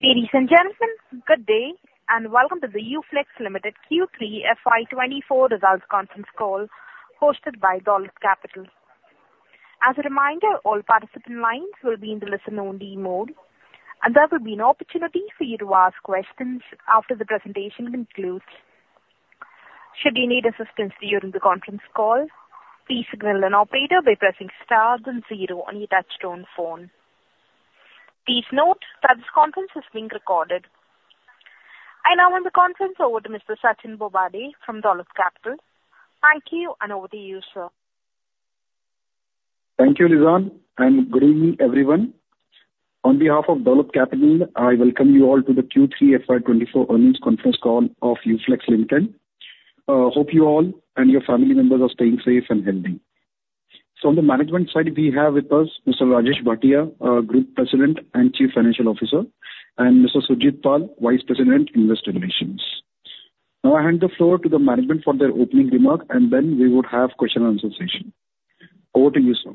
Ladies and gentlemen, good day, and welcome to the UFlex Limited Q3 FY2024 results conference call, hosted by Dolat Capital. As a reminder, all participant lines will be in the listen-only mode, and there will be an opportunity for you to ask questions after the presentation concludes. Should you need assistance during the conference call, please signal an operator by pressing star then zero on your touchtone phone. Please note that this conference is being recorded. I now hand the conference over to Mr. Sachin Bobade from Dolat Capital. Thank you, and over to you, sir. Thank you, Lizann, and good evening, everyone. On behalf of Dolat Capital, I welcome you all to the Q3 FY2024 earnings conference call of UFlex Limited. Hope you all and your family members are staying safe and healthy. On the management side, we have with us Mr. Rajesh Bhatia, our Group President and Chief Financial Officer, and Mr. Surajit Pal, Vice President, Investor Relations. Now I hand the floor to the management for their opening remarks, and then we would have question and answer session. Over to you, sir.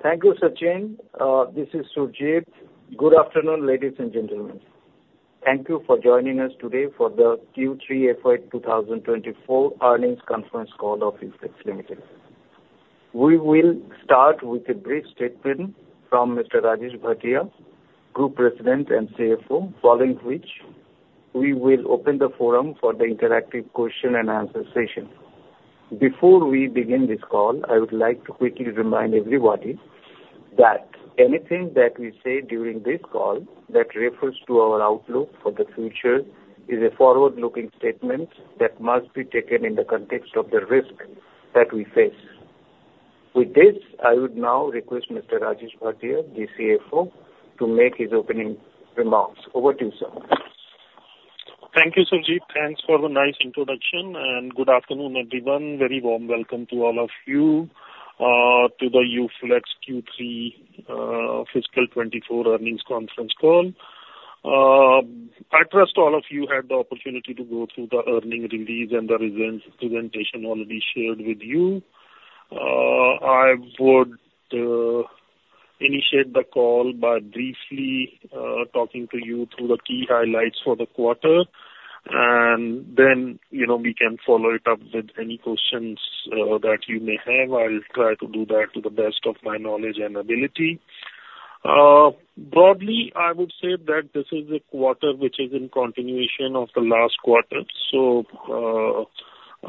Thank you, Sachin. This is Surajit. Good afternoon, ladies and gentlemen. Thank you for joining us today for the Q3 FY 2024 earnings conference call of UFlex Limited. We will start with a brief statement from Mr. Rajesh Bhatia, Group President and CFO, following which we will open the forum for the interactive question and answer session. Before we begin this call, I would like to quickly remind everybody that anything that we say during this call that refers to our outlook for the future is a forward-looking statement that must be taken in the context of the risk that we face. With this, I would now request Mr. Rajesh Bhatia, the CFO, to make his opening remarks. Over to you, sir. Thank you, Surajit. Thanks for the nice introduction, and good afternoon, everyone. Very warm welcome to all of you to the UFlex Q3 fiscal 2024 earnings conference call. I trust all of you had the opportunity to go through the earnings release and the results presentation already shared with you. I would initiate the call by briefly talking to you through the key highlights for the quarter, and then, you know, we can follow it up with any questions that you may have. I'll try to do that to the best of my knowledge and ability. Broadly, I would say that this is a quarter which is in continuation of the last quarter, so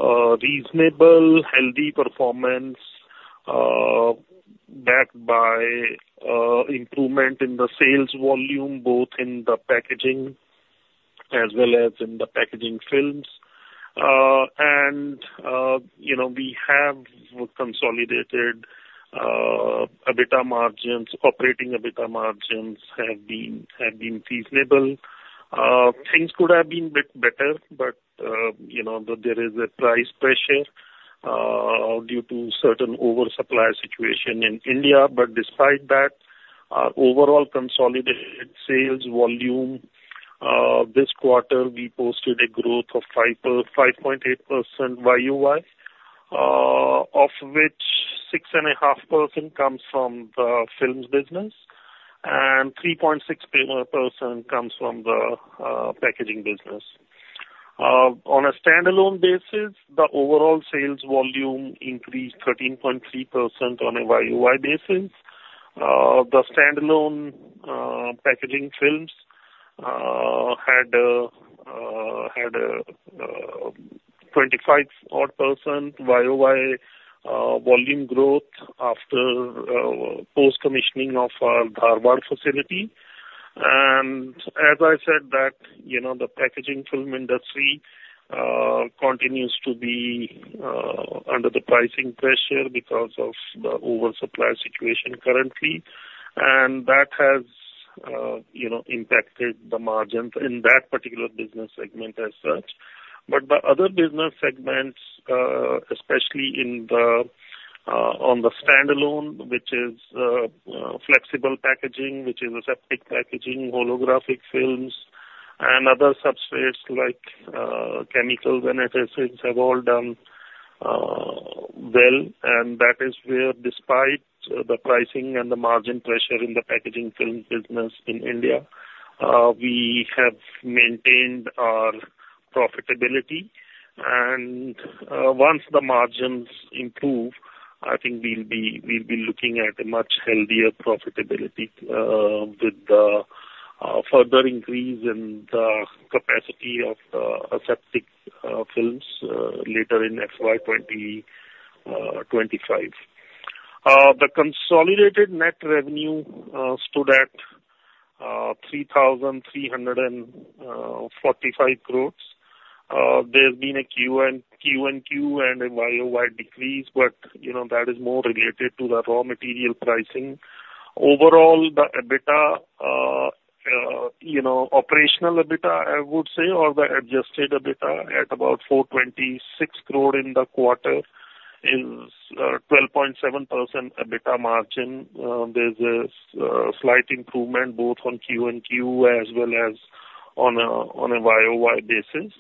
reasonable, healthy performance backed by improvement in the sales volume, both in the packaging as well as in the packaging films. And, you know, we have consolidated EBITDA margins, operating EBITDA margins have been feasible. Things could have been bit better, but, you know, there is a price pressure due to certain oversupply situation in India. But despite that, our overall consolidated sales volume this quarter, we posted a growth of 5.8% YOY, of which 6.5% comes from the films business and 3.6% comes from the packaging business. On a standalone basis, the overall sales volume increased 13.3% on a YOY basis. The standalone packaging films had 25 odd % YOY volume growth after post-commissioning of our Dharwad facility. And as I said that, you know, the packaging film industry continues to be under the pricing pressure because of the oversupply situation currently, and that has, you know, impacted the margins in that particular business segment as such. But the other business segments, especially in the on the standalone, which is flexible packaging, which is Aseptic Packaging, Holographic Films and other substrates like chemicals and accessories, have all done well. And that is where, despite the pricing and the margin pressure in the packaging film business in India, we have maintained our profitability. And once the margins improve, I think we'll be, we'll be looking at a much healthier profitability with the further increase in the capacity of the aseptic films later in FY 2025. The consolidated net revenue stood at 3,345 crores. There's been a Q-o-Q and a YoY decrease, but you know, that is more related to the raw material pricing. Overall, the EBITDA, you know, operational EBITDA, I would say, or the adjusted EBITDA at about 426 crore in the quarter is 12.7% EBITDA margin. There's a slight improvement both on QoQ as well as on a YoY basis.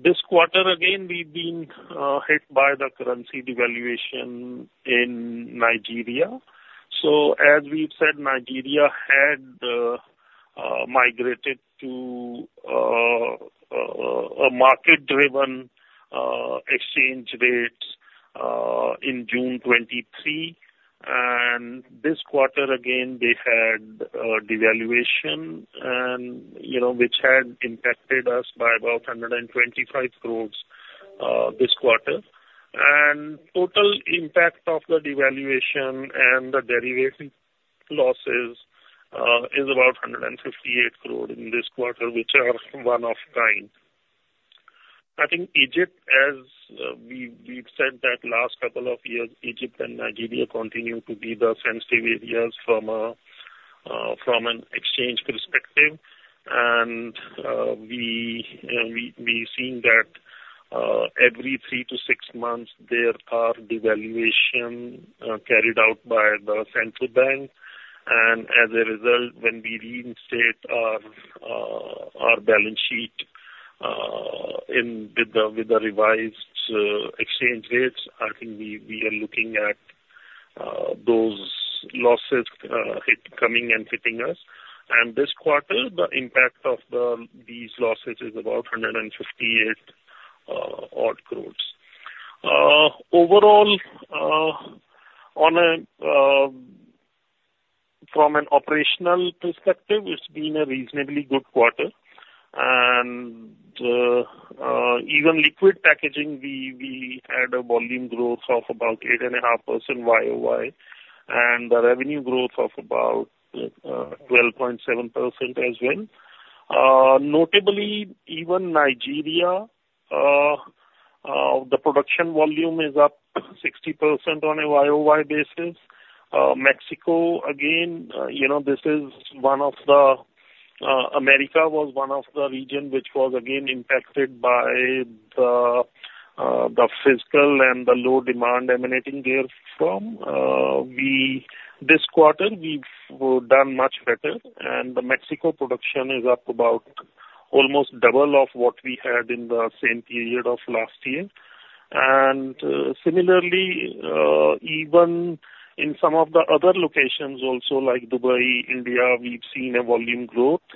This quarter again, we've been hit by the currency devaluation in Nigeria. So as we've said, Nigeria had migrated to a market-driven exchange rate in June 2023, and this quarter, again, they had a devaluation and, you know, which had impacted us by about 125 crore this quarter. And total impact of the devaluation and the derivative losses is about 158 crore in this quarter, which are one of kind. I think Egypt, as we've said that last couple of years, Egypt and Nigeria continue to be the sensitive areas from an exchange perspective. We've seen that every 3-6 months there are devaluation carried out by the central bank, and as a result, when we reinstate our balance sheet in with the with the revised exchange rates, I think we are looking at those losses hit coming and hitting us. And this quarter, the impact of these losses is about INR 158-odd crores. Overall, from an operational perspective, it's been a reasonably good quarter. And even liquid packaging, we had a volume growth of about 8.5% YOY, and the revenue growth of about 12.7% as well. Notably, even Nigeria, the production volume is up 60% on a YOY basis. Mexico, again, you know, this is one of the America was one of the region which was again impacted by the fiscal and the low demand emanating therefrom. This quarter we've done much better, and the Mexico production is up about almost double of what we had in the same period of last year. And similarly, even in some of the other locations also, like Dubai, India, we've seen a volume growth.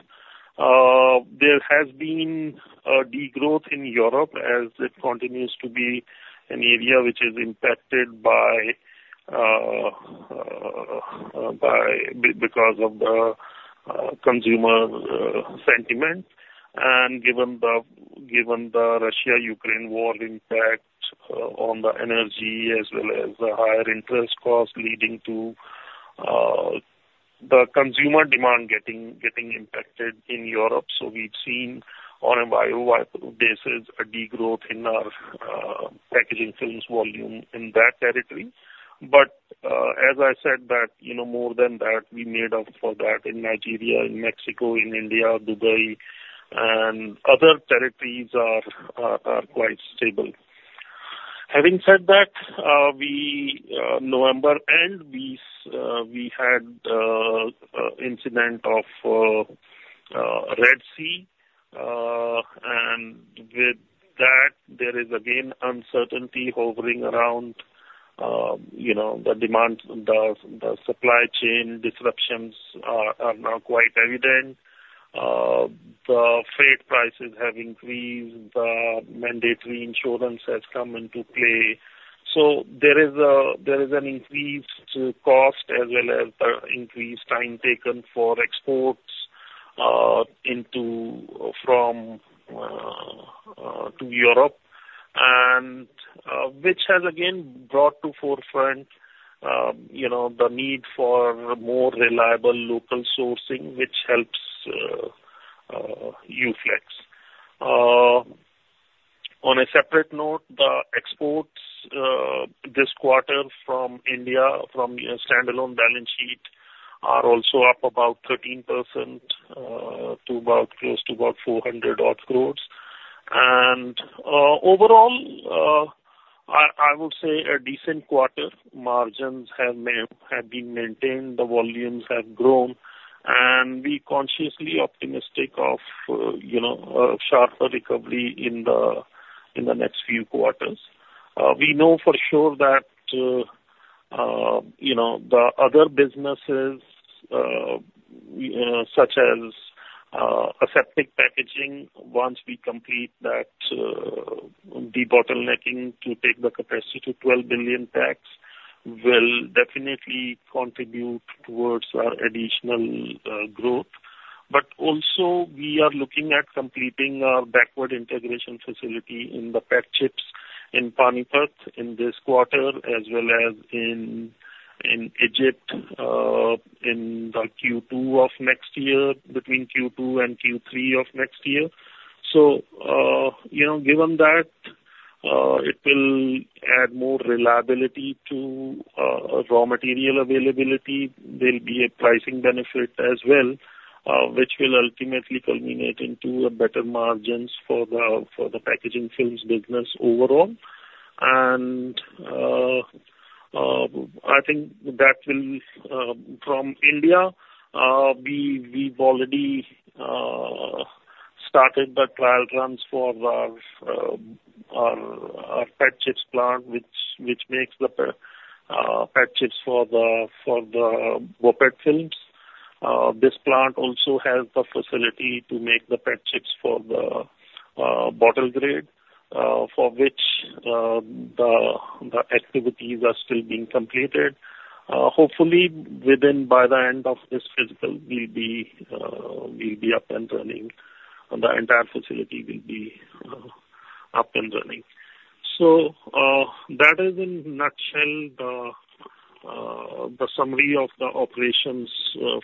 There has been a degrowth in Europe as it continues to be an area which is impacted by because of the consumer sentiment and given the Russia-Ukraine war impact on the energy, as well as the higher interest costs leading to the consumer demand getting impacted in Europe. So we've seen on a YOY basis, a degrowth in our packaging films volume in that territory. But as I said, that you know more than that, we made up for that in Nigeria, in Mexico, in India, Dubai and other territories are quite stable. Having said that, November end we had an incident of Red Sea and with that, there is again uncertainty hovering around you know the demand, the supply chain disruptions are now quite evident. The freight prices have increased, the mandatory insurance has come into play. So there is an increased cost as well as the increased time taken for exports into from to Europe, and which has again brought to forefront you know the need for more reliable local sourcing, which helps UFlex. On a separate note, the exports this quarter from India, from a standalone balance sheet, are also up about 13% to about close to about 400 crore. And overall I would say a decent quarter. Margins have been maintained, the volumes have grown, and we're cautiously optimistic of you know a sharper recovery in the next few quarters. We know for sure that, you know, the other businesses, such as, aseptic packaging, once we complete that, debottlenecking to take the capacity to 12 billion packs, will definitely contribute towards our additional, growth. But also we are looking at completing our backward integration facility in the PET chips in Panipat in this quarter, as well as in Egypt, in the Q2 of next year, between Q2 and Q3 of next year. So, you know, given that, it will add more reliability to raw material availability, there'll be a pricing benefit as well, which will ultimately culminate into better margins for the packaging films business overall. I think that will, from India, we, we've already started the trial runs for our PET chips plant, which makes the PET chips for the BOPET films. This plant also has the facility to make the PET chips for the bottle grade, for which the activities are still being completed. Hopefully within by the end of this fiscal, we'll be up and running, and the entire facility will be up and running. So, that is in a nutshell, the summary of the operations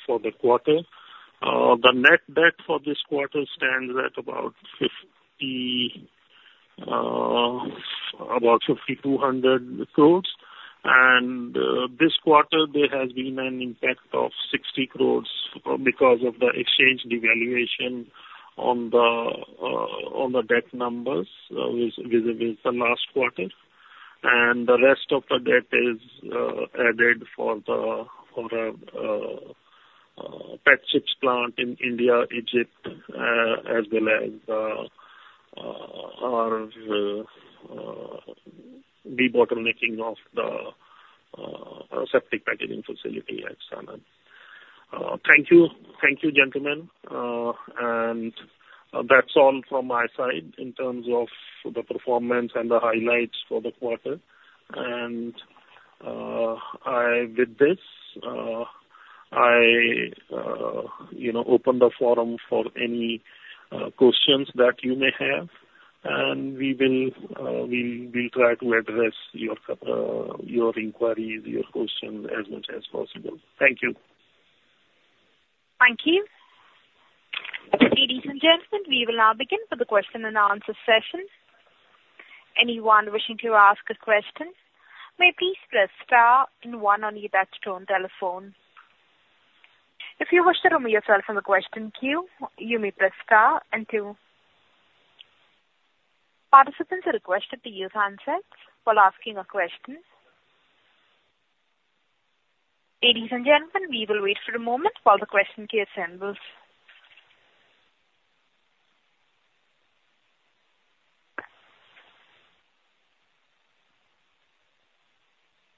for the quarter. The net debt for this quarter stands at about 5,200 crores. And, this quarter there has been an impact of 60 crores because of the exchange devaluation on the debt numbers with the last quarter. And the rest of the debt is added for the PET chips plant in India, Egypt, as well as our debottlenecking of the aseptic packaging facility at Sanand. Thank you. Thank you, gentlemen. And that's all from my side in terms of the performance and the highlights for the quarter. And with this, I, you know, open the forum for any questions that you may have, and we will try to address your inquiries, your questions, as much as possible. Thank you. Thank you. Ladies and gentlemen, we will now begin with the question and answer session. Anyone wishing to ask a question, may please press star and one on your touchtone telephone. If you wish to remove yourself from the question queue, you may press star and two. Participants are requested to use handsets while asking a question. Ladies and gentlemen, we will wait for a moment while the question queue assembles.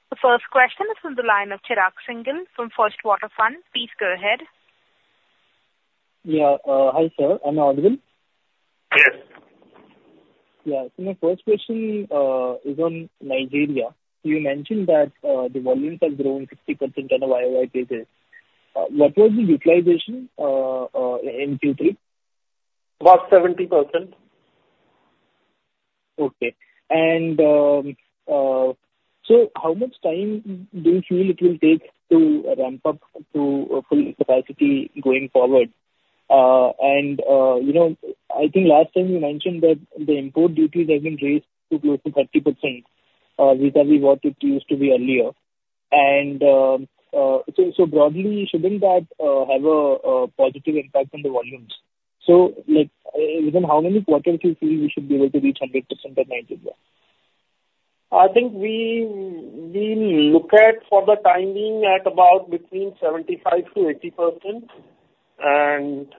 The first question is from the line of Chirag Singhal from First Water Fund. Please go ahead. Yeah. Hi, sir. I'm audible? Yes. Yeah. So my first question is on Nigeria. You mentioned that the volumes have grown 50% on a YOY basis. What was the utilization in Q3? About 70%. Okay. And so how much time do you feel it will take to ramp up to full capacity going forward? And you know, I think last time you mentioned that the import duties have been raised to close to 30%, vis-a-vis what it used to be earlier. And so so broadly, shouldn't that have a positive impact on the volumes? So, like, within how many quarters you feel we should be able to reach 100% at Nigeria? I think we look at for the time being at about 75%-80%. And,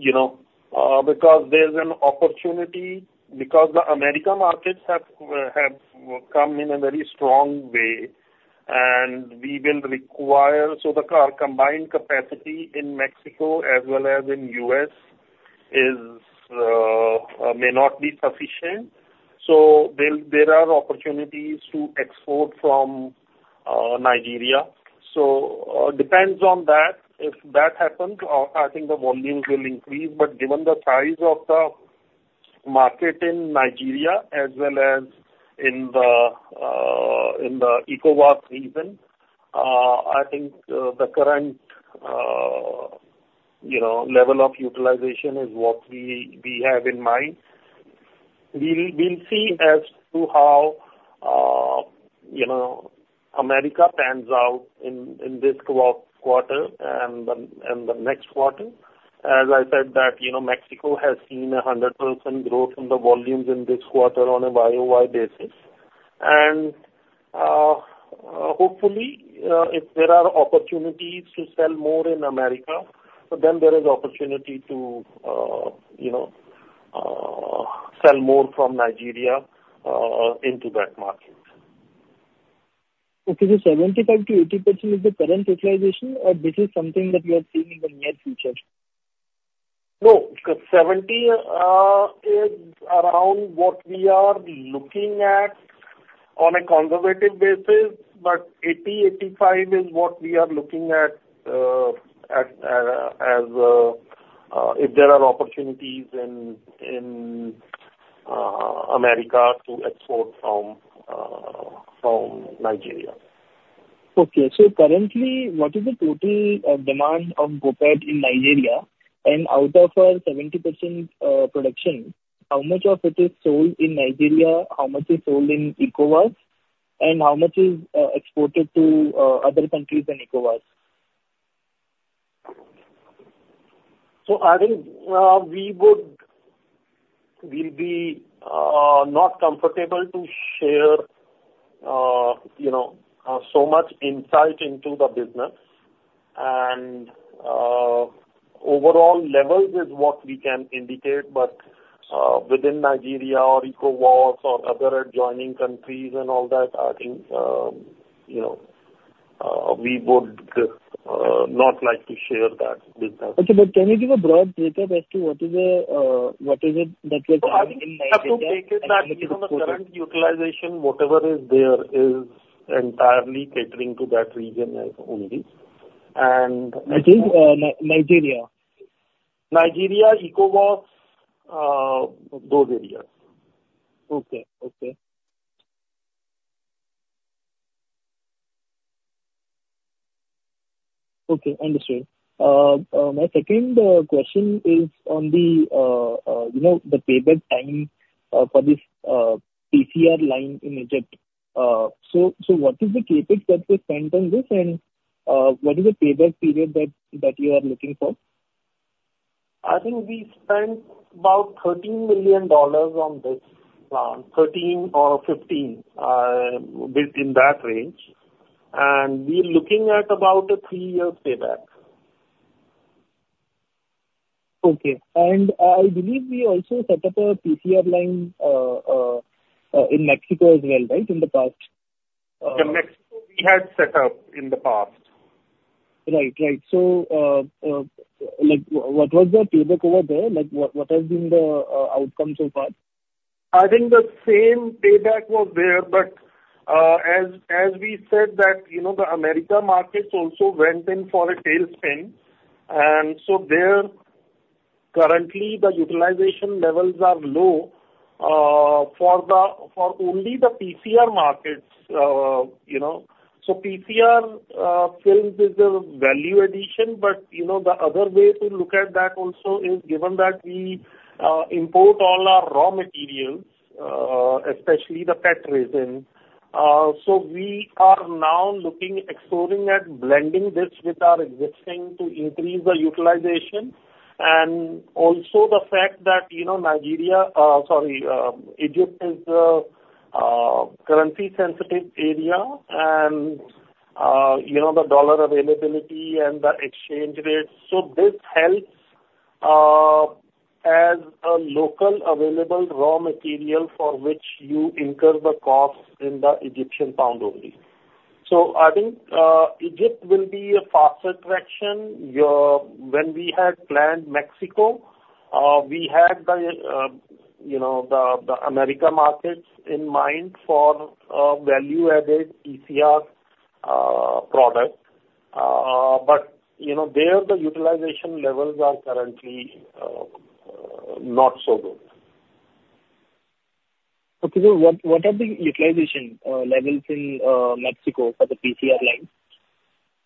you know, because there's an opportunity, because the American markets have come in a very strong way, and we will require... So our combined capacity in Mexico as well as in U.S. is may not be sufficient. So there are opportunities to export from Nigeria. So depends on that. If that happens, I think the volumes will increase. But given the size of the market in Nigeria as well as in the ECOWAS region, I think the current level of utilization is what we have in mind. We'll see as to how, you know, America pans out in this quarter and the next quarter. As I said that, you know, Mexico has seen 100% growth in the volumes in this quarter on a YOY basis. And, hopefully, if there are opportunities to sell more in America, so then there is opportunity to, you know, sell more from Nigeria, into that market. Okay. So 75%-80% is the current utilization, or this is something that you are seeing in the near future? No, 70% is around what we are looking at on a conservative basis, but 80%-85% is what we are looking at, if there are opportunities in America to export from Nigeria. Okay. So currently, what is the total demand of BOPET in Nigeria? And out of a 70% production, how much of it is sold in Nigeria, how much is sold in ECOWAS, and how much is exported to other countries in ECOWAS?... So I think we would, we'll be not comfortable to share you know so much insight into the business. And overall levels is what we can indicate, but within Nigeria or ECOWAS or other adjoining countries and all that, I think you know we would not like to share that with that. Okay, but can you give a broad picture as to what is the, what is it that you're seeing in Nigeria? I think you have to take it that, you know, the current utilization, whatever is there, is entirely catering to that region only. And- I think, Nigeria. Nigeria, ECOWAS, both areas. Okay. Okay. Okay, understood. My second question is on the, you know, the payback time for this PCR line in Egypt. So, what is the CapEx that was spent on this, and what is the payback period that you are looking for? I think we spent about $13 million on this, $13 million or $15 million, within that range. We're looking at about a three year payback. Okay. And I believe we also set up a PCR line in Mexico as well, right? In the past. The Mexico we had set up in the past. Right. Right. So, like, what was the payback over there? Like, what has been the outcome so far? I think the same payback was there, but as we said that, you know, the America markets also went in for a tailspin, and so there currently the utilization levels are low for only the PCR markets, you know. So PCR films is a value addition, but, you know, the other way to look at that also is given that we import all our raw materials, especially the PET resin. So we are now looking, exploring at blending this with our existing to increase the utilization. And also the fact that, you know, Egypt is a currency-sensitive area and, you know, the dollar availability and the exchange rates. So this helps as a local available raw material for which you incur the cost in the Egyptian pound only. So I think Egypt will be a faster traction. When we had planned Mexico, we had the, you know, the American markets in mind for value-added PCR product. But you know, there, the utilization levels are currently not so good. Okay. So what are the utilization levels in Mexico for the PCR line?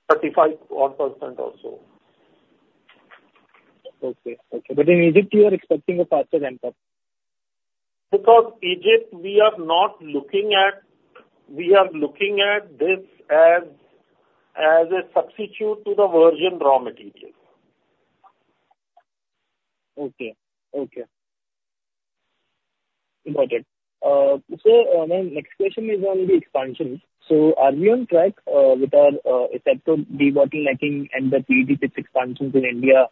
35 odd% or so. Okay. Okay. But in Egypt, you are expecting a faster ramp-up? Because Egypt, we are not looking at... We are looking at this as, as a substitute to the virgin raw material. Okay. Okay. Got it. So, my next question is on the expansion. So are we on track with our efforts to debottlenecking and the PET chips expansions in India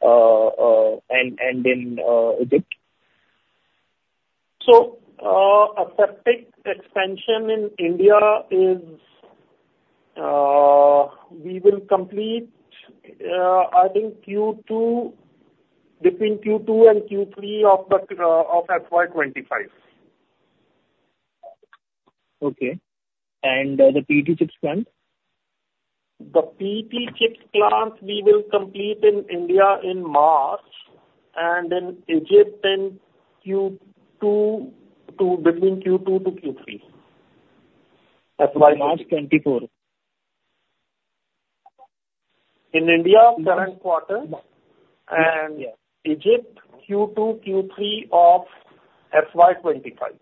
and in Egypt? Aseptic expansion in India is. We will complete, I think, between Q2 and Q3 of FY 2025. Okay. And, the PET chips plant? The PET chips plant we will complete in India in March, and in Egypt in Q2 to Q3, FY 2024. March twenty-four. In India, current quarter- Yes. Egypt, Q2, Q3 of FY 2025.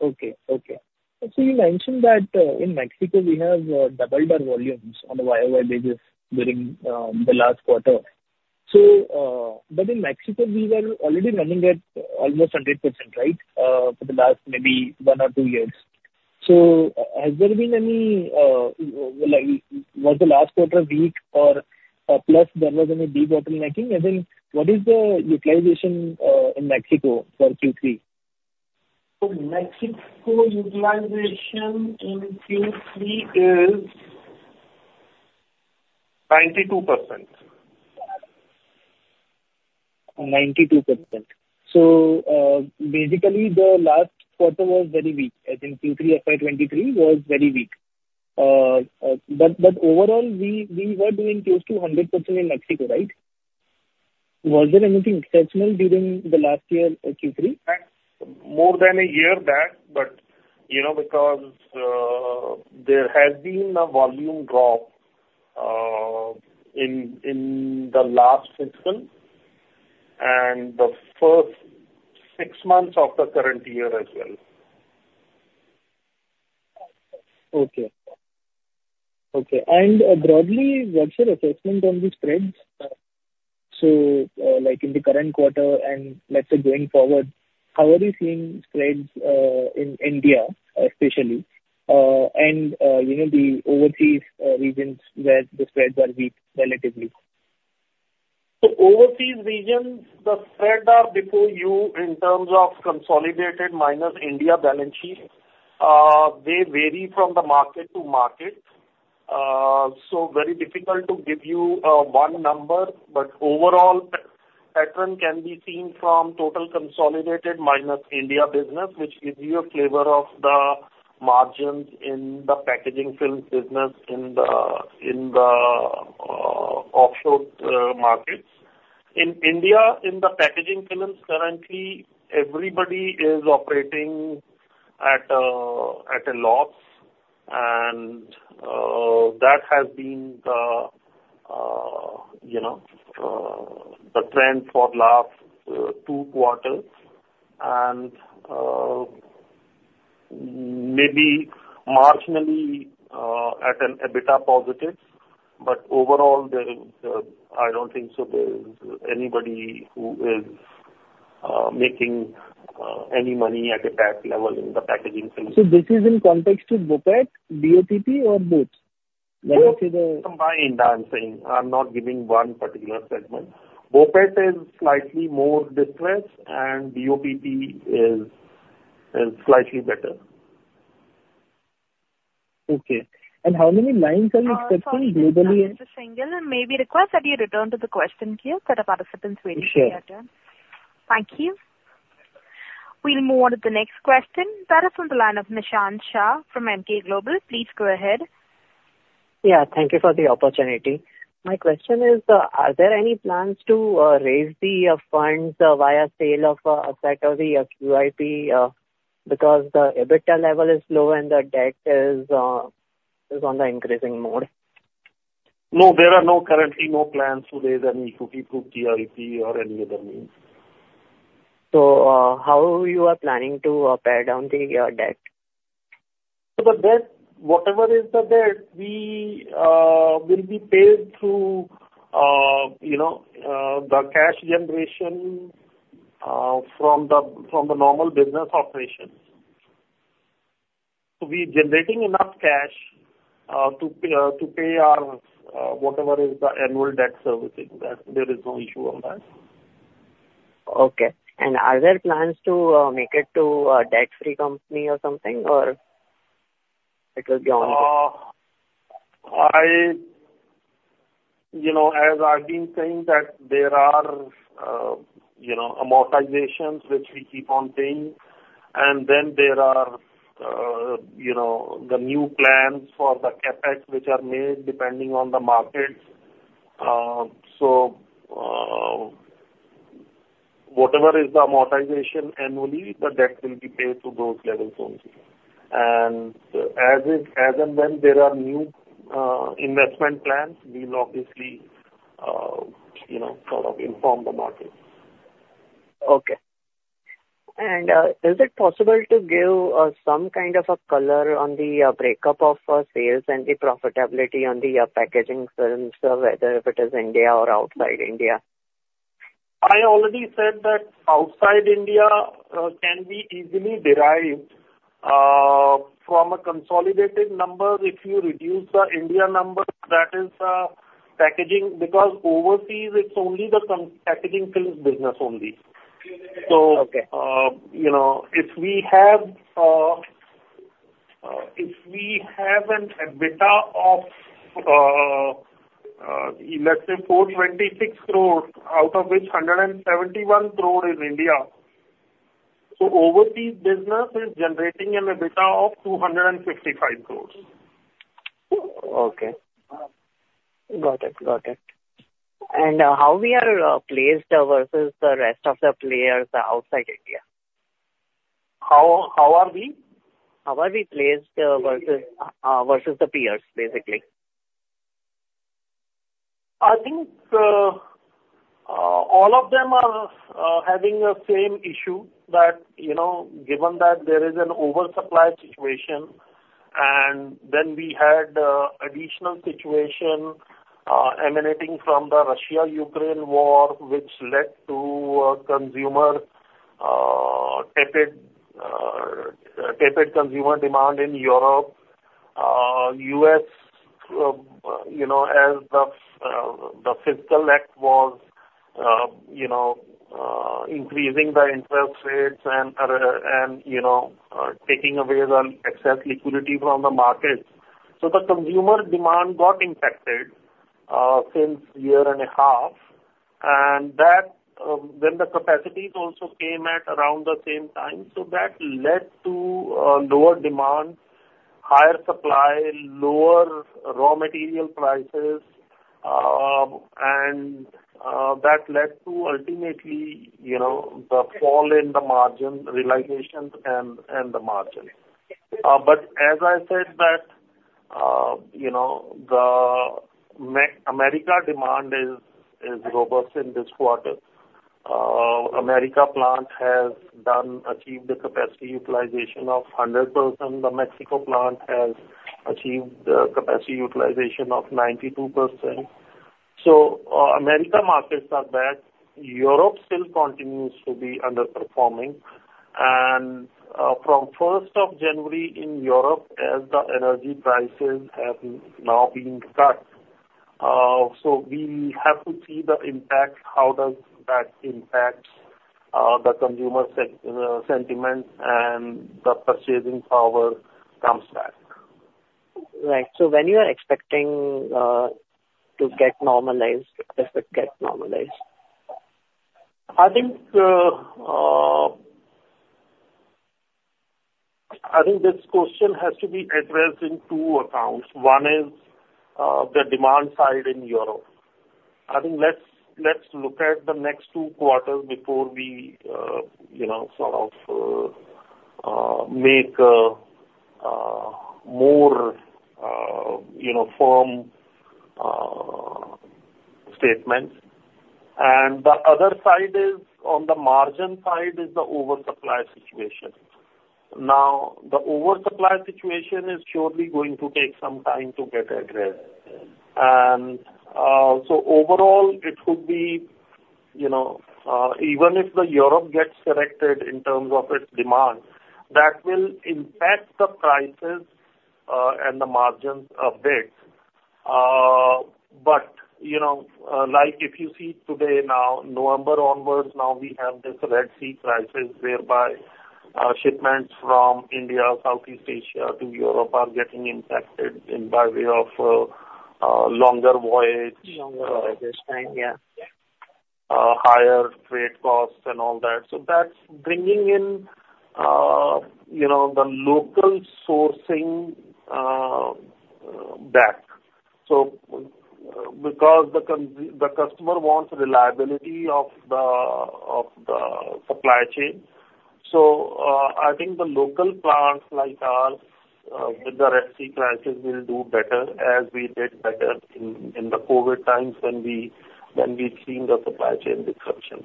Okay. Okay. So you mentioned that, in Mexico we have doubled our volumes on a year-over-year basis during the last quarter. So, but in Mexico, we were already running at almost 100%, right, for the last maybe one or two years. So has there been any, like, was the last quarter weak or, plus there was any debottlenecking? I think, what is the utilization in Mexico for Q3? Mexico utilization in Q3 is 92%. 92%. So, basically, the last quarter was very weak. I think Q3 FY 2023 was very weak. But overall, we were doing close to 100% in Mexico, right? Was there anything exceptional during the last year, Q3? More than a year back, but, you know, because there has been a volume drop in the last fiscal and the first six months of the current year as well.... Okay. Okay, and broadly, what's your assessment on the spreads? So, like in the current quarter, and let's say going forward, how are you seeing spreads in India, especially, and you know, the overseas regions where the spreads are weak relatively? So overseas regions, the spreads are before you in terms of consolidated minus India balance sheet. They vary from the market to market. So very difficult to give you one number, but overall, pattern can be seen from total consolidated minus India business, which gives you a flavor of the margins in the packaging films business in the offshore markets. In India, in the packaging films, currently, everybody is operating at a loss, and that has been the you know the trend for last two quarters, and maybe marginally at an EBITDA positive, but overall there is. I don't think so there is anybody who is making any money at a tax level in the packaging film. This is in context to BOPET, BOPP or both? Like you said, Both combined, I'm saying. I'm not giving one particular segment. BOPET is slightly more distressed and BOPP is slightly better. Okay. And how many lines are you expecting globally and- Sorry to interrupt, Mr. Singhal, may we request that you return to the question queue? There are participants waiting for their turn. Sure. Thank you. We'll move on to the next question. That is from the line of Nishant Shah from Emkay Global. Please go ahead. Yeah, thank you for the opportunity. My question is, are there any plans to raise the funds via sale of a factory or QIP, because the EBITDA level is low and the debt is on the increasing mode? No, there are currently no plans to raise any equity through QIP or any other means. How you are planning to pare down your debt? So the debt, whatever is the debt, we will be paid through, you know, the cash generation from the normal business operations. So we're generating enough cash to pay our whatever is the annual debt servicing, that there is no issue on that. Okay. And are there plans to make it to a debt-free company or something? Or it will be on- I, you know, as I've been saying, that there are, you know, amortizations, which we keep on paying. And then there are, you know, the new plans for the CapEx, which are made depending on the markets. So, whatever is the amortization annually, the debt will be paid to those levels only. And as is, as and when there are new, investment plans, we'll obviously, you know, sort of inform the market. Okay. And is it possible to give some kind of a color on the breakup of sales and the profitability on the packaging films, whether if it is India or outside India? I already said that outside India can be easily derived from a consolidated number. If you reduce the India number, that is, packaging, because overseas it's only the packaging films business only. Okay. So, you know, if we have an EBITDA of, let's say, 426 crore, out of which 171 crore is India, so overseas business is generating an EBITDA of 265 crore. Okay. Got it. Got it. How are we placed versus the rest of the players outside India? How, how are we? How are we placed versus the peers, basically? I think, all of them are having the same issue that, you know, given that there is an oversupply situation, and then we had additional situation emanating from the Russia-Ukraine war, which led to a consumer tepid tepid consumer demand in Europe. U.S., you know, as the Fiscal Act was, you know, increasing the interest rates and other, and, you know, taking away the excess liquidity from the market. So the consumer demand got impacted since year and a half, and that, then the capacities also came at around the same time. So that led to lower demand, higher supply, lower raw material prices, and that led to ultimately, you know, the fall in the margin realization and, and the margin. But as I said that, you know, the America demand is robust in this quarter. The America plant has achieved a capacity utilization of 100%. The Mexico plant has achieved a capacity utilization of 92%. So, America markets are back. Europe still continues to be underperforming. And, from first of January in Europe, as the energy prices have now been cut, so we have to see the impact, how does that impact the consumer sentiment and the purchasing power comes back. Right. So when you are expecting to get normalized, does it get normalized? I think, I think this question has to be addressed in two accounts. One is, the demand side in Europe. I think let's look at the next two quarters before we, you know, sort of, make more, you know, firm statements. And the other side is, on the margin side is the oversupply situation. Now, the oversupply situation is surely going to take some time to get addressed. And, so overall, it would be, you know, even if the Europe gets corrected in terms of its demand, that will impact the prices, and the margins a bit. But, you know, like if you see today now, November onwards, now we have this Red Sea crisis, whereby shipments from India, Southeast Asia to Europe are getting impacted in by way of longer voyage- Longer voyage time, yeah. Higher freight costs and all that. So that's bringing in, you know, the local sourcing back. So because the customer wants reliability of the supply chain. So, I think the local plants like ours, with the Red Sea crisis, will do better, as we did better in the COVID times when we've seen the supply chain disruptions.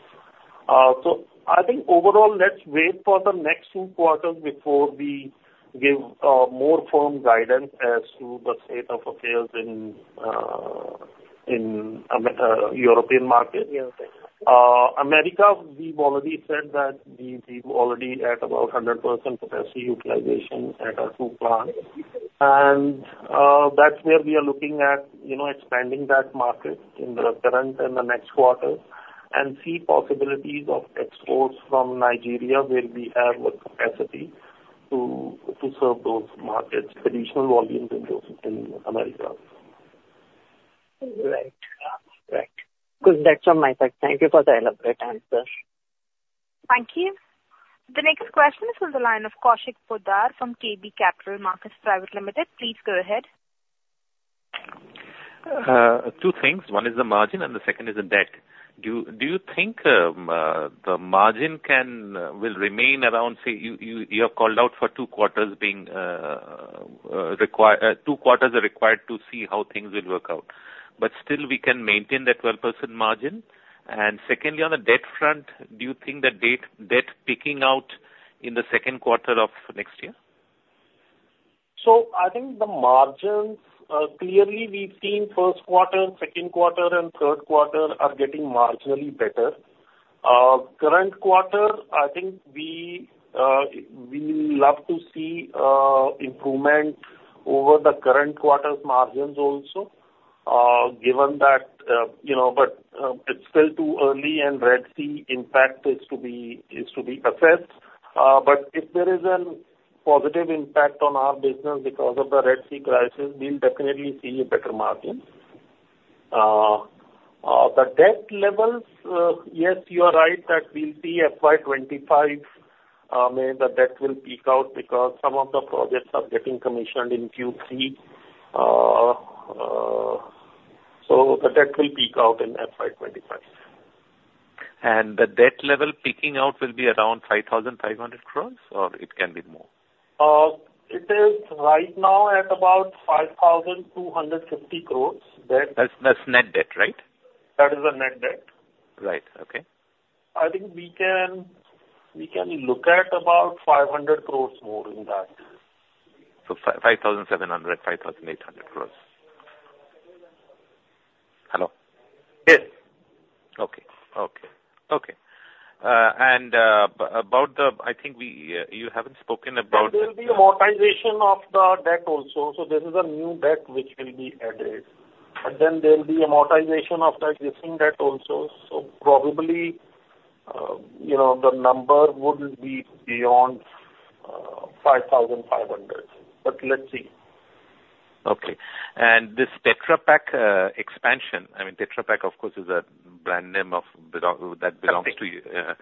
So I think overall, let's wait for the next two quarters before we give more firm guidance as to the state of affairs in European market. European. America, we've already said that we're already at about 100% capacity utilization at our two plants. And that's where we are looking at, you know, expanding that market in the current and the next quarter, and see possibilities of exports from Nigeria, where we have the capacity to serve those markets, additional volumes in those in America. Right. Right. Good. That's on my side. Thank you for the elaborate answer. Thank you. The next question is on the line of Kaushik Poddar from KB Capital Markets Private Limited. Please go ahead. Two things. One is the margin, and the second is the debt. Do you think the margin will remain around, say, you have called out for two quarters being required to see how things will work out, but still we can maintain that 12% margin? And secondly, on the debt front, do you think the debt peaking out in the second quarter of next year? So I think the margins, clearly we've seen first quarter, second quarter and third quarter are getting marginally better. Current quarter, I think we love to see improvement over the current quarter's margins also, given that, you know, but it's still too early and Red Sea impact is to be assessed. But if there is a positive impact on our business because of the Red Sea crisis, we'll definitely see a better margin. The debt levels, yes, you are right that we'll see FY 2025, may the debt will peak out because some of the projects are getting commissioned in Q3. So the debt will peak out in FY 2025. The debt level peaking out will be around 5,500 crore, or it can be more? It is right now at about 5,250 crore debt. That's net debt, right? That is the net debt. Right. Okay. I think we can, we can look at about 500 crore more in that. So 5,700 crore-5,800 crore. Hello? Yes. Okay. Okay. Okay. And about the... I think we, you haven't spoken about- There'll be amortization of the debt also. So this is a new debt which will be added. And then there'll be amortization of that existing debt also. So probably, you know, the number would be beyond 5,500, but let's see. Okay. And this Tetra Pak expansion, I mean, Tetra Pak, of course, is a brand name of belong- Okay. that belongs to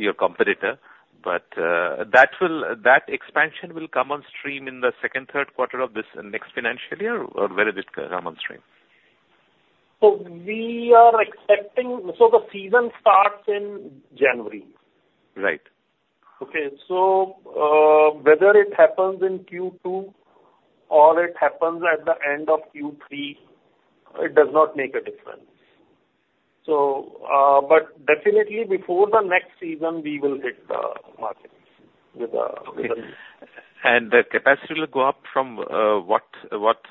your competitor. But that will, that expansion will come on stream in the second, third quarter of this next financial year, or where does it come on stream? So we are expecting... So the season starts in January. Right.... Okay, so, whether it happens in Q2 or it happens at the end of Q3, it does not make a difference. So, but definitely before the next season, we will hit the market with the- Okay. And the capacity will go up from, what, what,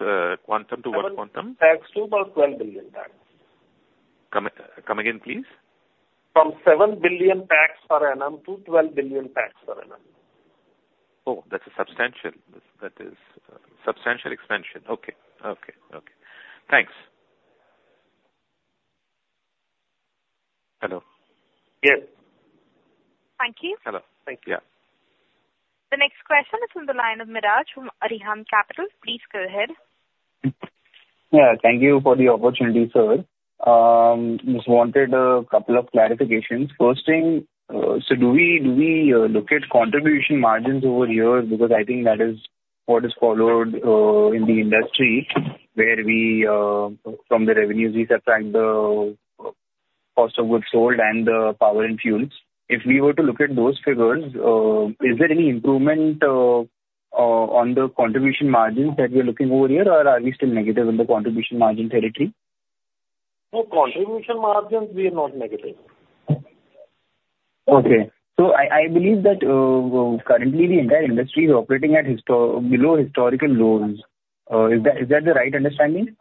quantum to what quantum? 7 billion packs to about 12 billion packs. Come again, please. From 7 billion packs per annum to 12 billion packs per annum. Oh, that's a substantial, that is a substantial expansion. Okay. Okay, okay. Thanks. Hello? Yes. Thank you. Hello. Thank you. Yeah. The next question is from the line of Miraj from Arihant Capital. Please go ahead. Yeah, thank you for the opportunity, sir. Just wanted a couple of clarifications. First thing, so do we, do we, look at contribution margins over here? Because I think that is what is followed in the industry, where we from the revenues, we subtract the cost of goods sold and the power and fuels. If we were to look at those figures, on the contribution margins that we're looking over here, or are we still negative on the contribution margin territory? No, contribution margins, we are not negative. Okay. So I believe that currently the entire industry is operating at below historical lows. Is that the right understanding?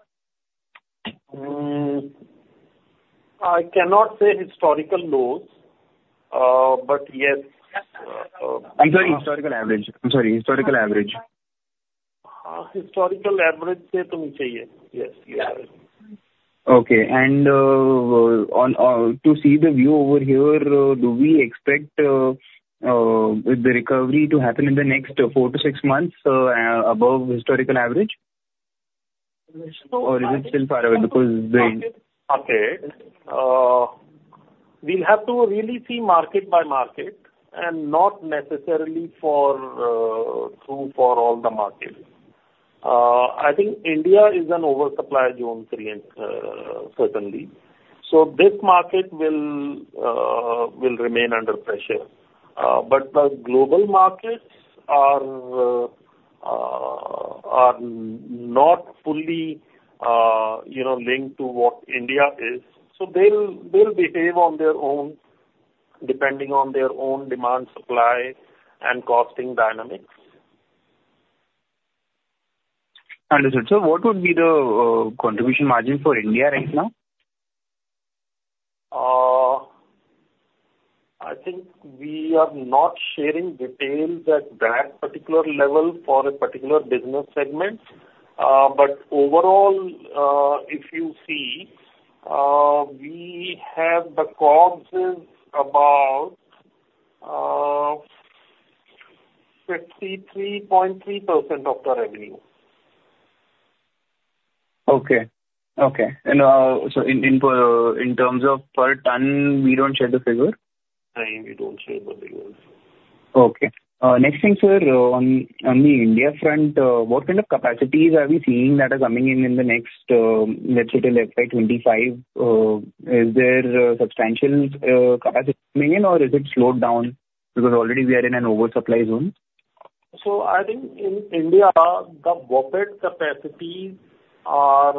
I cannot say historical lows, but yes, I'm sorry, historical average. Historical average, say, yes. Yes, we have it. Okay. And, on to see the view over here, do we expect the recovery to happen in the next 4-6 months above historical average? Or is it still far away because the- Okay. We'll have to really see market by market, and not necessarily true for all the markets. I think India is an oversupply zone, certainly. So this market will remain under pressure. But the global markets are not fully, you know, linked to what India is. So they'll behave on their own, depending on their own demand, supply, and costing dynamics. Understood. So what would be the contribution margin for India right now? I think we are not sharing details at that particular level for a particular business segment. But overall, if you see, we have the COGS is about 53.3% of the revenue. Okay. Okay. And, so in terms of per ton, we don't share the figure? No, we don't share the figures. Okay. Next thing, sir, on, on the India front, what kind of capacities are we seeing that are coming in in the next, let's say, till FY 2025? Is there substantial capacity coming in, or is it slowed down because already we are in an oversupply zone? So I think in India, the BOPET capacities are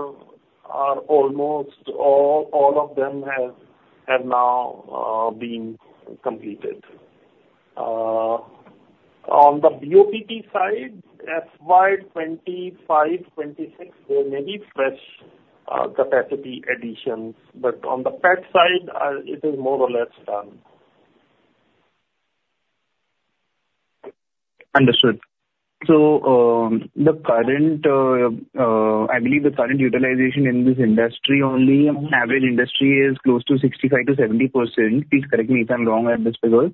almost all of them have now been completed. On the BOPP side, FY 2025, 2026, there may be fresh capacity additions, but on the PET side, it is more or less done. Understood. So, the current, I believe the current utilization in this industry only, average industry is close to 65%-70%. Please correct me if I'm wrong at this figure.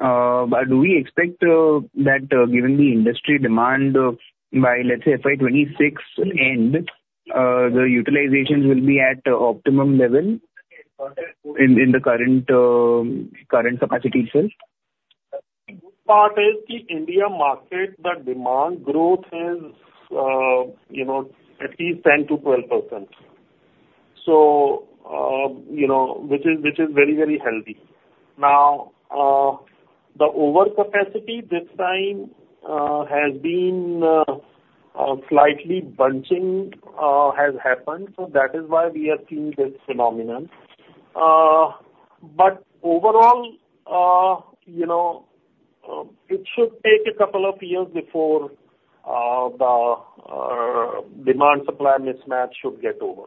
But do we expect, that, given the industry demand by, let's say, FY 2026 end, the utilizations will be at optimum level in, in the current, current capacity itself? The good part is the India market, the demand growth is, you know, at least 10%-12%. So, you know, which is, which is very, very healthy. Now, the overcapacity this time, has been, slightly bunching, has happened, so that is why we are seeing this phenomenon. But overall, you know, it should take a couple of years before, the, demand, supply mismatch should get over.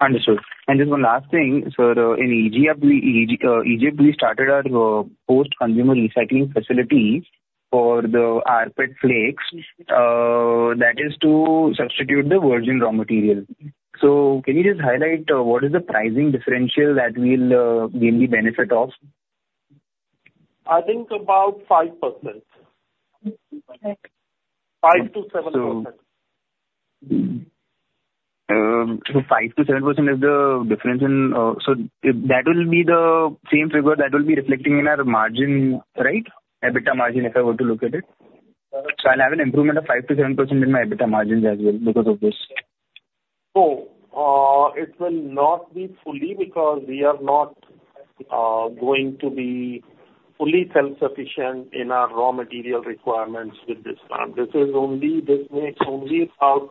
Understood. And just one last thing, sir, in Egypt, we started our post-consumer recycling facility for the R-PET flakes that is to substitute the virgin raw material. So can you just highlight what is the pricing differential that we'll gain the benefit of? I think about 5%. 5%-7%. So, five to seven percent is the difference in. So if that will be the same figure that will be reflecting in our margin, right? EBITDA margin, if I were to look at it. Uh- I'll have an improvement of 5%-7% in my EBITDA margins as well because of this?... So, it will not be fully, because we are not going to be fully self-sufficient in our raw material requirements with this plant. This is only, this makes only about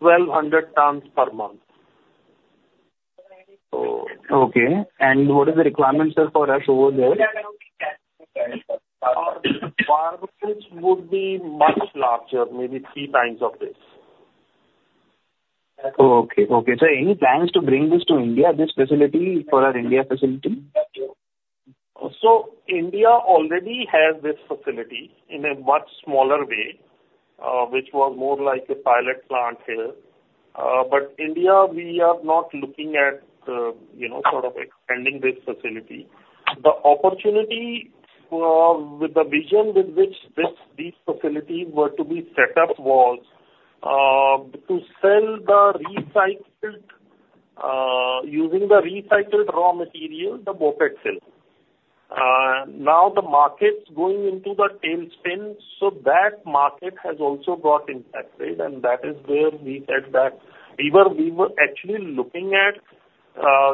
1,200 tons per month. Okay. What is the requirements there for us over there? Our requirements would be much larger, maybe 3x of this. Okay. Okay, so any plans to bring this to India, this facility for our India facility? So India already has this facility in a much smaller way, which was more like a pilot plant here. But India, we are not looking at, you know, sort of expanding this facility. The opportunity, with the vision with which this, these facilities were to be set up was, to sell the recycled using the recycled raw material, the BOPET film. Now the market's going into the tailspin, so that market has also got impacted, and that is where we said that we were, we were actually looking at,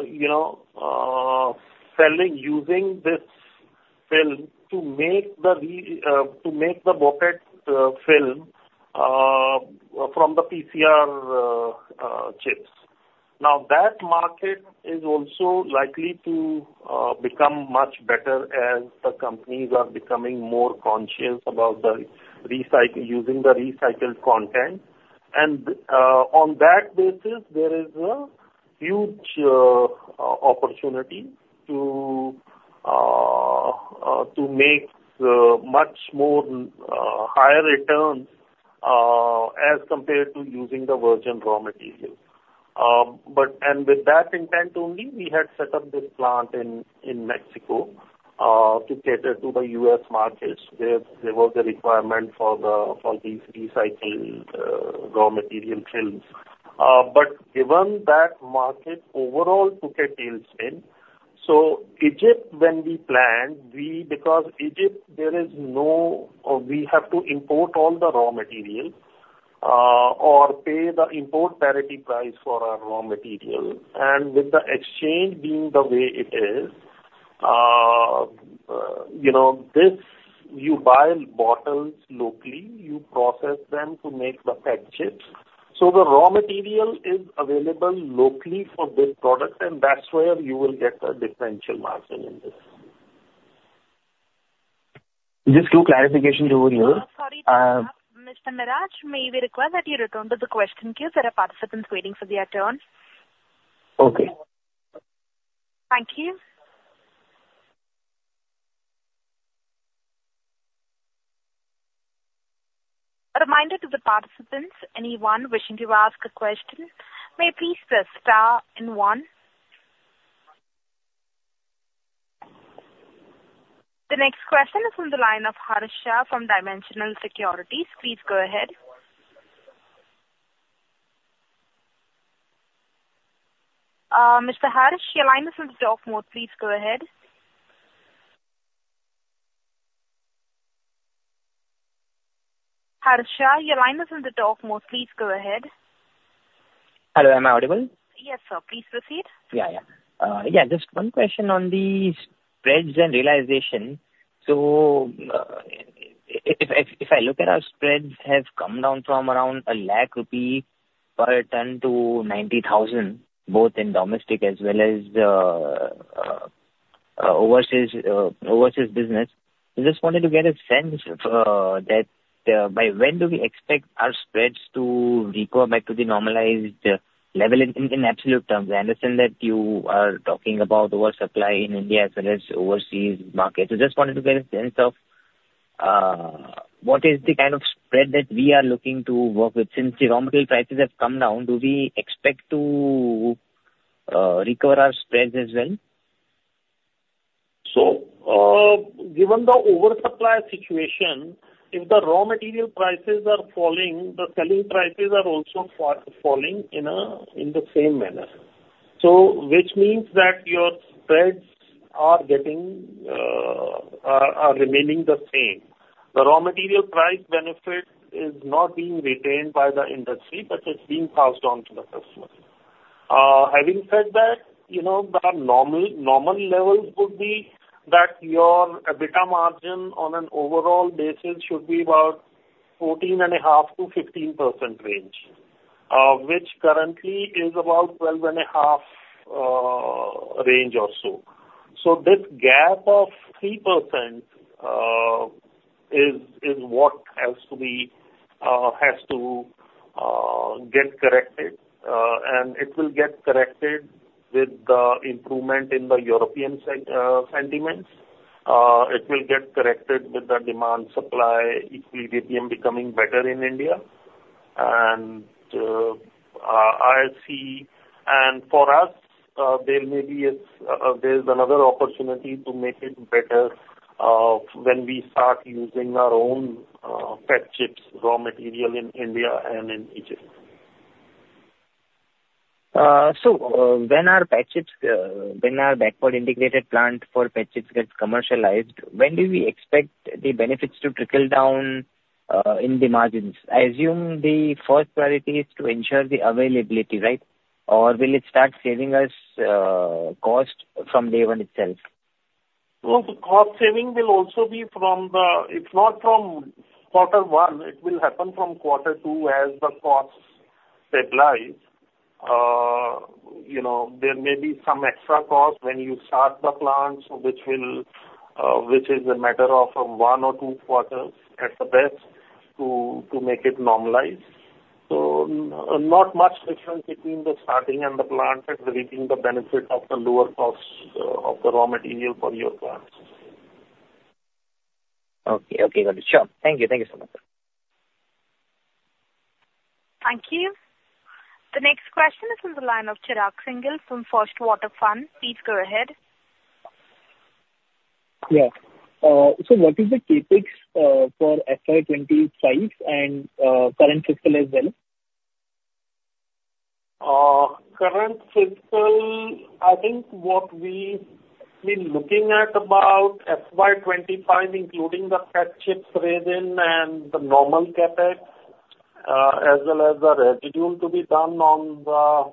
you know, selling, using this film to make the, to make the BOPET film from the PCR chips. Now, that market is also likely to become much better as the companies are becoming more conscious about using the recycled content. On that basis, there is a huge opportunity to make much more higher returns as compared to using the virgin raw material. With that intent only, we had set up this plant in Mexico to cater to the U.S. markets, where there was a requirement for these recycled raw material films. Given that market overall took a tailspin, so Egypt, when we planned, because Egypt there is no. We have to import all the raw material or pay the import parity price for our raw material. With the exchange being the way it is, you know, you buy bottles locally, you process them to make the PET chips. The raw material is available locally for this product, and that's where you will get the differential margin in this. Just two clarification over here, Sorry to interrupt, Mr. Neeraj, may we request that you return to the question queue? There are participants waiting for their turn. Okay. Thank you. A reminder to the participants, anyone wishing to ask a question may please press star and one. The next question is on the line of Harsh from Dimensional Securities. Please go ahead. Mr. Harsh, your line is on talk mode. Please go ahead. Harsh, your line is on the talk mode. Please go ahead. Hello, am I audible? Yes, sir, please proceed. Yeah, yeah. Yeah, just one question on the spreads and realization. So, if I look at our spreads has come down from around 100,000 rupee per ton-INR 90,000 per ton, both in domestic as well as overseas business. I just wanted to get a sense of that by when do we expect our spreads to recover back to the normalized level in absolute terms? I understand that you are talking about oversupply in India as well as overseas markets. I just wanted to get a sense of what is the kind of spread that we are looking to work with, since the raw material prices have come down, do we expect to recover our spreads as well? So, given the oversupply situation, if the raw material prices are falling, the selling prices are also falling in a, in the same manner. So which means that your spreads are getting, are remaining the same. The raw material price benefit is not being retained by the industry, but it's being passed on to the customer. Having said that, you know, the normal levels would be that your EBITDA margin on an overall basis should be about 14.5%-15% range, which currently is about 12.5% range or so. So this gap of 3%, is what has to get corrected. And it will get corrected with the improvement in the European sentiments. It will get corrected with the demand supply equilibrium becoming better in India. And, I see... And for us, there is another opportunity to make it better, when we start using our own PET chips raw material in India and in Egypt. ... So, when are PET chips, when are backward integrated plant for PET chips gets commercialized, when do we expect the benefits to trickle down in the margins? I assume the first priority is to ensure the availability, right? Or will it start saving us cost from day one itself? Well, the cost saving will also be from the— It's not from quarter one, it will happen from quarter two as the costs stabilize. You know, there may be some extra costs when you start the plants, which will, which is a matter of one or two quarters at the best, to, to make it normalize. So not much difference between the starting and the plant and reaping the benefit of the lower cost, of the raw material for your plants. Okay. Okay, got it. Sure. Thank you. Thank you so much, sir. Thank you. The next question is from the line of Chirag Singhal from First Water Capital. Please go ahead. Yeah. So what is the CapEx for FY 2025 and current fiscal as well? Current fiscal, I think what we've been looking at about FY 2025, including the PET chips resin and the normal CapEx, as well as the residual to be done on the...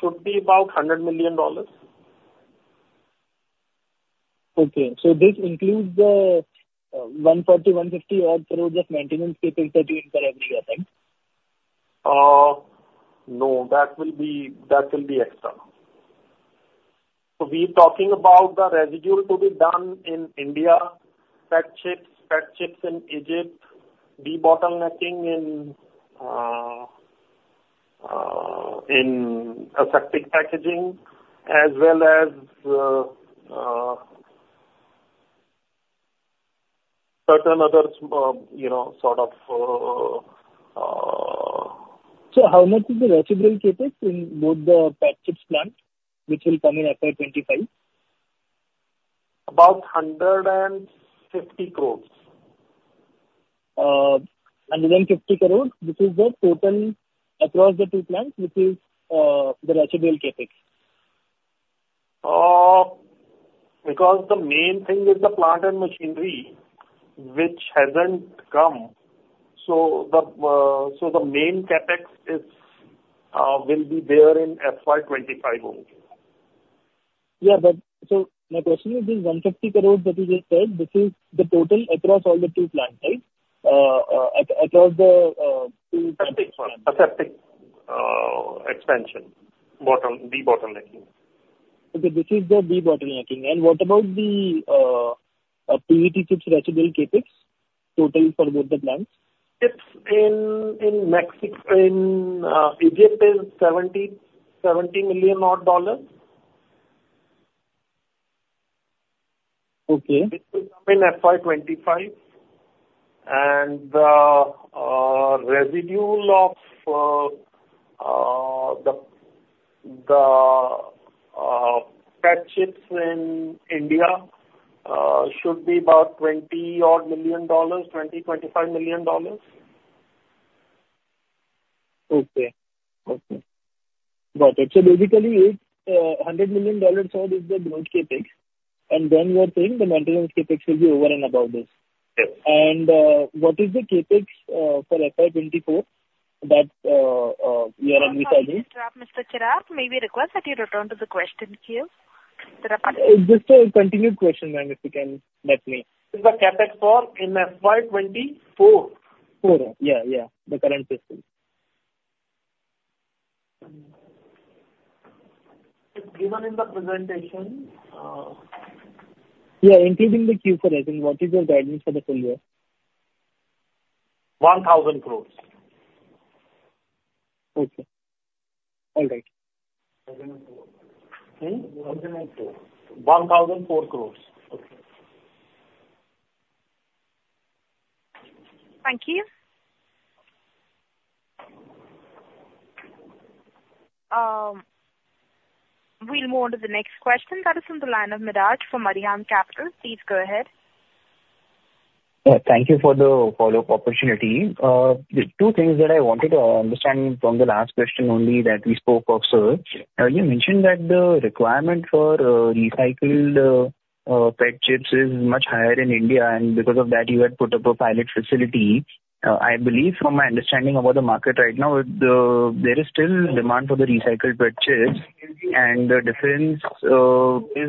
Should be about $100 million. Okay. So this includes the 140 odd crores-INR150 odd crores of maintenance CapEx that you incur every year, right? No, that will be, that will be extra. So we're talking about the residual to be done in India, PET chips, PET chips in Egypt, debottlenecking in aseptic packaging, as well as certain other, you know, sort of- How much is the residual CapEx in both the PET chips plant, which will come in FY 2025? About 150 crore. 150 crore, this is the total across the two plants, which is the residual CapEx. Because the main thing is the plant and machinery, which hasn't come. So the main CapEx is, will be there in FY 2025 only. Yeah, but so my question is, this 150 crore that you just said, this is the total across all the two plants, right? Across the two- Aseptic expansion, debottlenecking. Okay, this is the debottlenecking. What about the PET chips residual CapEx, total for both the plants? It's in Mexico. In Egypt is $70 million odd. Okay. Which will come in FY 2025. The residual of the PET chips in India should be about $20-odd million, $20 million-$25 million. Okay. Okay. Got it. So basically, it's $100 million odd is the joint CapEx, and then you are saying the maintenance CapEx will be over and above this. Yes. What is the CapEx for FY 2024 that you are anticipating? Mr. Chirag, may we request that you return to the question please, Chirag? Just a continued question, ma'am, if you can let me. It's the CapEx for FY 2024. 4. Yeah, yeah, the current fiscal. It's given in the presentation. Yeah, including the Q4 result, what is your guidance for the full year? 1,000 crore. Okay. All right. Hmm? 1,004. INR 1,004 crore. Okay. Thank you. We'll move on to the next question. That is from the line of Miraj from Arihant Capital. Please go ahead. Thank you for the follow-up opportunity. There are two things that I wanted to understand from the last question only that we spoke of, sir. You mentioned that the requirement for recycled PET chips is much higher in India, and because of that, you had put up a pilot facility. I believe from my understanding about the market right now, there is still demand for the recycled PET chips, and the difference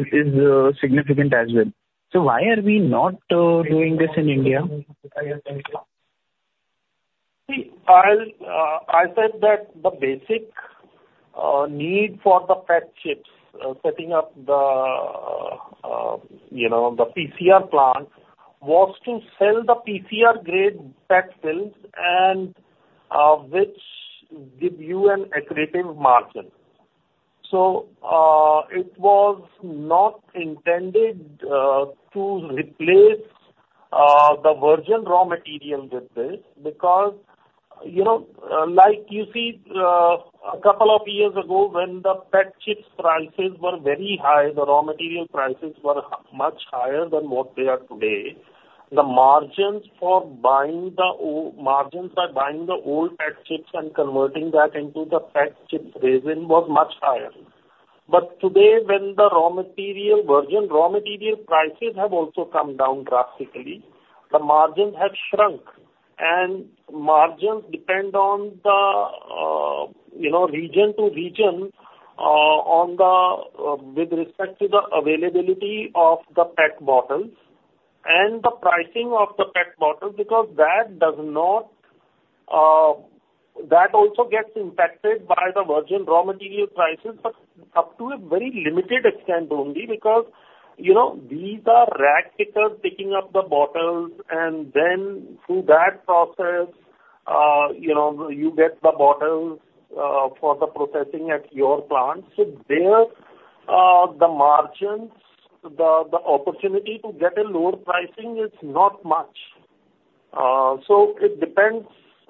is significant as well. So why are we not doing this in India? See, I'll I said that the basic need for the PET chips setting up you know the PCR plant was to sell the PCR-grade PET films and which give you an accretive margin. So it was not intended to replace the virgin raw material with this because you know like you see a couple of years ago when the PET chips prices were very high the raw material prices were much higher than what they are today. The margins for buying the old PET chips and converting that into the PET chips resin was much higher. But today when the raw material virgin raw material prices have also come down drastically the margins have shrunk. Margins depend on the, you know, region to region, on the with respect to the availability of the PET bottles and the pricing of the PET bottles, because that does not, that also gets impacted by the virgin raw material prices, but up to a very limited extent only because, you know, these are ragpickers picking up the bottles and then through that process, you know, you get the bottles for the processing at your plant. So there, the margins, the opportunity to get a lower pricing is not much. So it depends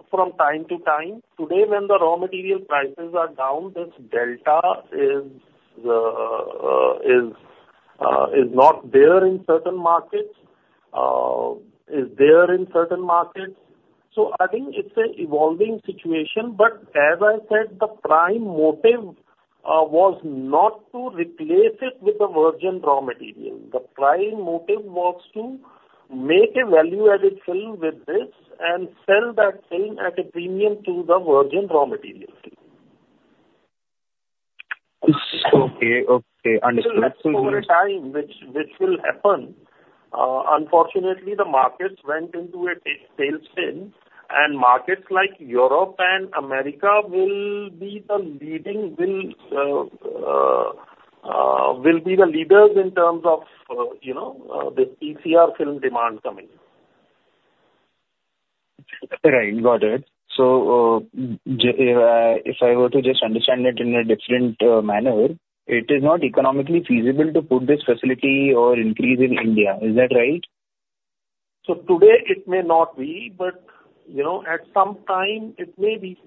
from time to time. Today, when the raw material prices are down, this delta is not there in certain markets, is there in certain markets. So I think it's an evolving situation, but as I said, the prime motive was not to replace it with the virgin raw material. The prime motive was to make a value-added film with this and sell that film at a premium to the virgin raw material. Okay, okay. Understood. Over time, which will happen. Unfortunately, the markets went into a tailspin, and markets like Europe and America will be the leaders in terms of, you know, the PCR film demand coming in. Right. Got it. So, if I were to just understand it in a different manner, it is not economically feasible to put this facility or increase in India. Is that right? So today it may not be, but, you know, at some time it may be.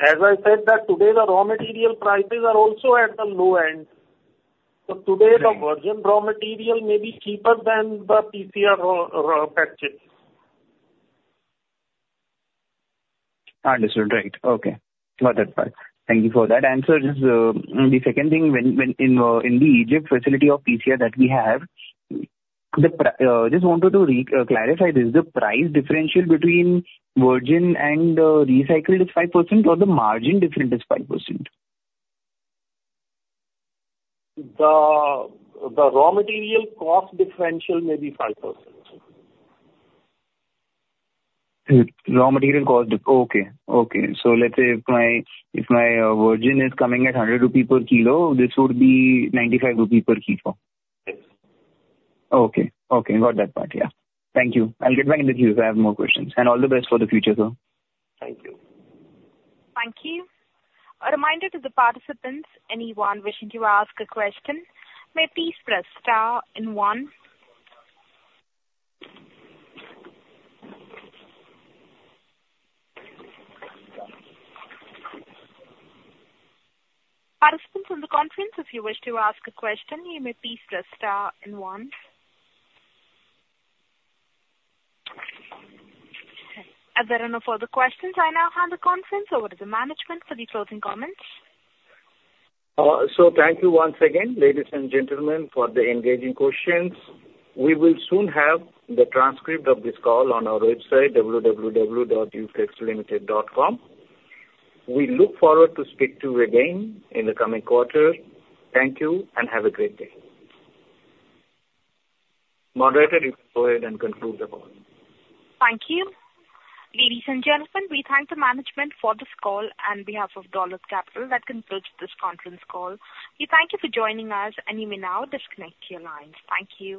As I said that today, the raw material prices are also at the low end. So today- Right. the virgin raw material may be cheaper than the PCR PET chips. Understood. Right. Okay. Got that part. Thank you for that answer. Just the second thing, when in the Egypt facility of PCR that we have, just wanted to reclarify this, the price differential between virgin and recycled is 5% or the margin different is 5%? The raw material cost differential may be 5%. Hmm. Okay, okay. So let's say if my, if my virgin is coming at 100 rupee per kilo, this would be 95 rupee per kilo? Yes. Okay. Okay, got that part, yeah. Thank you. I'll get back in the queue if I have more questions. All the best for the future, sir. Thank you. Thank you. A reminder to the participants, anyone wishing to ask a question may please press star and one. Participants on the conference, if you wish to ask a question, you may please press star and one. As there are no further questions, I now hand the conference over to the management for the closing comments. Thank you once again, ladies and gentlemen, for the engaging questions. We will soon have the transcript of this call on our website, www.uflexlimited.com. We look forward to speak to you again in the coming quarter. Thank you, and have a great day. Moderator, you can go ahead and conclude the call. Thank you. Ladies and gentlemen, we thank the management for this call on behalf of Dolat Capital. That concludes this conference call. We thank you for joining us, and you may now disconnect your lines. Thank you.